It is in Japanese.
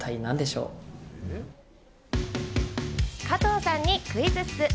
加藤さんにクイズッス！